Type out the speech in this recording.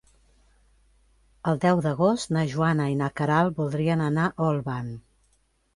El deu d'agost na Joana i na Queralt voldrien anar a Olvan.